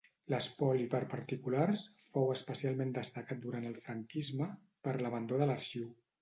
L'espoli per particulars fou especialment destacat durant el franquisme, per l'abandó de l'arxiu.